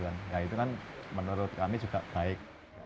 nah itu kan menurut kami juga baik